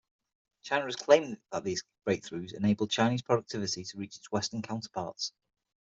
China has claimed that these breakthroughs enabled Chinese productivity to reach its western counterparts.